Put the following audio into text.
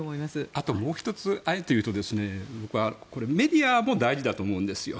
あと、もう１つ言うとこれ、メディアも大事だと思うんですよ。